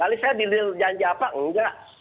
lalu saya diliru janji apa nggak